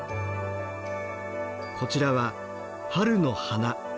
こちらは「春の花」。